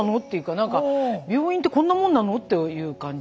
何か病院ってこんなもんなの？という感じ。